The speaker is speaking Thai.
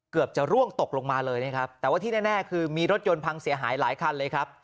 เกือบจะร่วงตกลงมาเลยนะครับแต่ว่าที่แน่คือมีรถยนต์พังเสียหายหลายคันเลยครับ